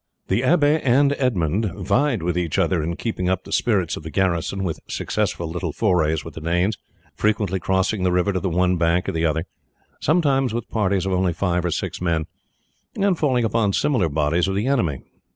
The abbe and Edmund vied with each other in keeping up the spirits of the garrison with successful little forays with the Danes, frequently crossing the river to the one bank or the other, sometimes with parties of only five or six men, and falling upon similar bodies of the enemy.